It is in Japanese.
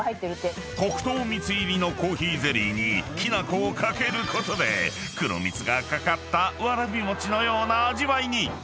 ［黒糖みつ入りのコーヒーゼリーにきな粉を掛けることで黒みつが掛かったわらび餅のような味わいに］